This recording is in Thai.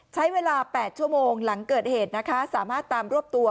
ใช้เวลา๘ชั่วโมงหลังเกิดเหตุนะคะสามารถตามรวบตัว